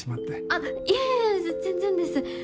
あっいえいえ全然です。